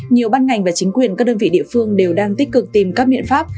nhiều ban ngành và chính quyền các đơn vị địa phương đều đang tích cực tìm các biện pháp